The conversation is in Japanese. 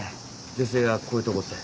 女性がこういうとこって。